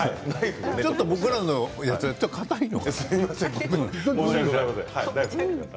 ちょっと僕らのやつはかたいの。